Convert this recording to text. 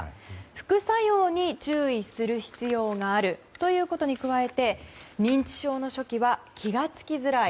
副作用に注意する必要があるということに加えて認知症の初期は気が付きづらい。